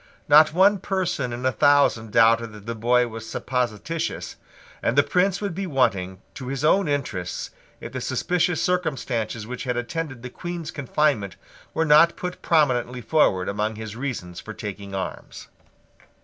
Not one person in a thousand doubted that the boy was supposititious; and the Prince would be wanting to his own interests if the suspicious circumstances which had attended the Queen's confinement were not put prominently forward among his reasons for taking arms.